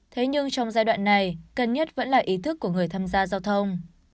thế nhưng trong giai đoạn này cân nhất vẫn là ý thức của người tham gia giao thông